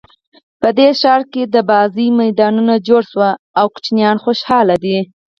په دې ښار کې د لوبو میدانونه جوړ شوي او ماشومان خوشحاله دي